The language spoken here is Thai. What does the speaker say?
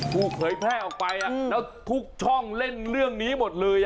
เผยแพร่ออกไปแล้วทุกช่องเล่นเรื่องนี้หมดเลย